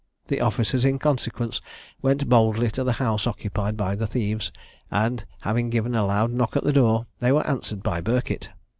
The officers in consequence went boldly to the house occupied by the thieves, and having given a loud knock at the door, they were answered by Burkitt.